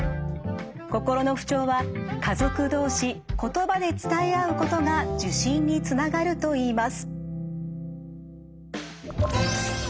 心の不調は家族同士言葉で伝え合うことが受診につながるといいます。